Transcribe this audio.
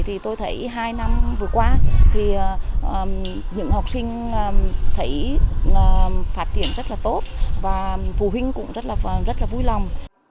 thì tôi thấy hai năm vừa qua thì những học sinh thấy phát triển rất là tốt và phụ huynh cũng rất là vui lòng